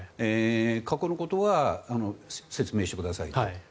過去のことは説明してくださいと。